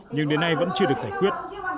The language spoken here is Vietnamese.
nhưng đến nay vẫn chưa được giải quyết